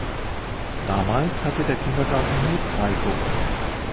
Damals hatte der Kindergarten nur zwei Gruppen.